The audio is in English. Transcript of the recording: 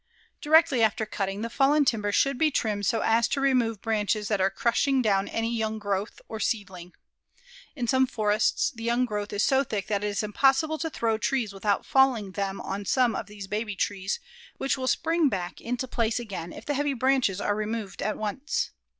Directly after cutting, the fallen timber should be trimmed so as to remove branches that are crushing down any young growth or seedling. In some forests the young growth is so thick that it is impossible to throw trees without falling them on some of these baby trees which will spring back into place again if the heavy branches are removed at once.